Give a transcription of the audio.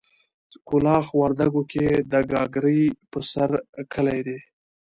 کلاخ وردګو کې د ګاګرې په سر کلی دی.